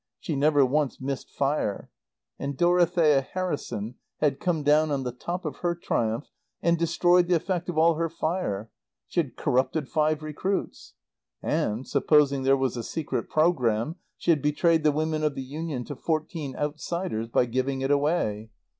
She never once missed fire. And Dorothea Harrison had come down on the top of her triumph and destroyed the effect of all her fire. She had corrupted five recruits. And, supposing there was a secret program, she had betrayed the women of the Union to fourteen outsiders, by giving it away.